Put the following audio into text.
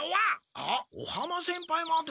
あっ尾浜先輩まで！？